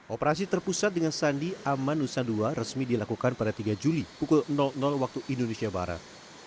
operasi terpusat dengan sandi aman nusa dua resmi dilakukan pada tiga juli pukul waktu indonesia barat